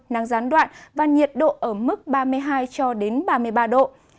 năng gián đoạn và nhiệt độ ở mức ba mươi hai ba mươi ba độ